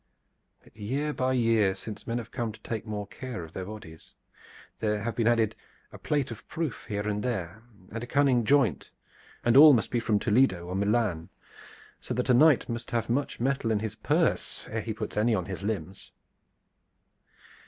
But year by year since men have come to take more care of their bodies, there have been added a plate of proof here and a cunning joint there, and all must be from Toledo or Milan, so that a knight must have much metal in his purse ere he puts any on his limbs."